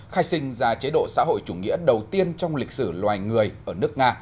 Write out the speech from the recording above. khai sinh ra chế độ xã hội chủ nghĩa đầu tiên trong lịch sử loài người ở nước nga